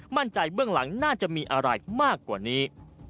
เบื้องหลังน่าจะมีอะไรมากกว่านี้